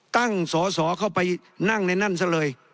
ตั้งสอสอเข้าไปนั่งในนั้นซะเลย